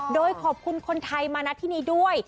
โดยขอบคุณคนไทยมานัดที่นี่ด้วย